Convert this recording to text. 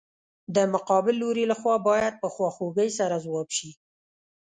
د مقابل لوري له خوا باید په خواخوږۍ سره ځواب شي.